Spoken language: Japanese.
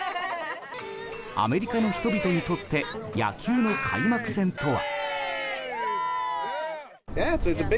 アメリカの人々にとって野球の開幕戦とは。